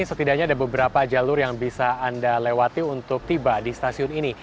setidaknya ada beberapa jalur yang bisa anda lewati untuk tiba di stasiun ini